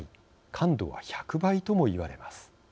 感度は１００倍ともいわれます。